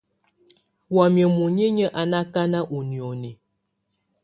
Wamɛ̀á muninyǝ́ á nà akanà ù nioni.